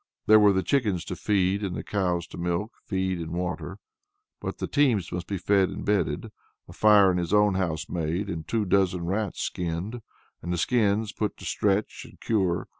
There were the chickens to feed, and the cows to milk, feed, and water. Both the teams must be fed and bedded, a fire in his own house made, and two dozen rats skinned, and the skins put to stretch and cure.